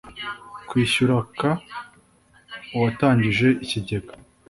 Kwishyura k uwatangije ikigega